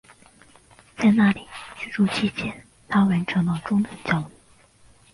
在那里居住期间她完成了中等教育。